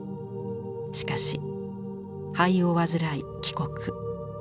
しかし肺を患い帰国。